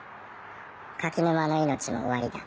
垣沼の命も終わりだ」。